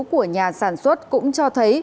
của nhà sản xuất cũng cho thấy